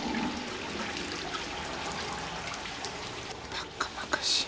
バッカバカしい。